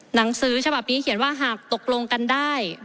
หนังสือฉบับนี้เขียนว่าหากตกลงกันได้